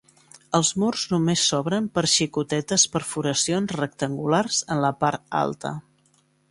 Els murs només s'obren per xicotetes perforacions rectangulars en la part alta.